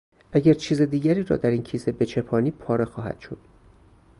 اگر چیز دیگری را در این کیسه بچپانی پاره خواهد شد.